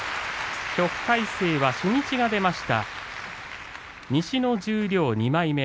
旭大星は初日が出ました。